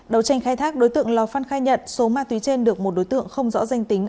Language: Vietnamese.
đầu tranh khai thác đối tượng lò phân khai nhận số ma túy trên được một đối tượng không rõ danh tính